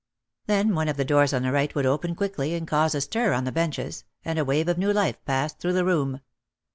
Then one of the doors on the right would open quickly and cause a stir on the benches, and a wave of new life passed through the room.